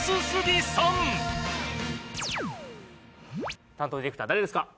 はい担当ディレクター誰ですか？